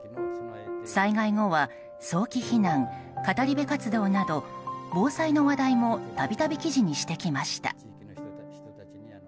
災害後は早期避難語り部活動など防災の話題も度々、記事にしてきました。